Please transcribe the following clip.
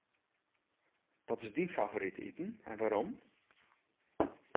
Wat is dyn favorite iten en wêrom?